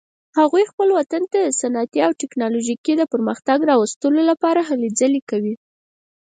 هغوی خپل وطن ته د صنعتي او تکنالوژیکي پرمختګ راوستلو لپاره هلې ځلې کوي